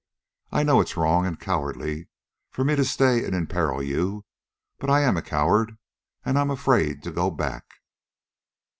I know it's wrong and cowardly for me to stay and imperil you, but I am a coward, and I'm afraid to go back!"